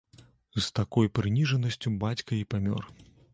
З такой прыніжанасцю бацька і памёр.